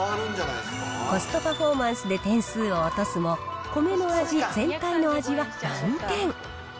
コストパフォーマンスで点数を落とすも、米の味、全体の味は満点。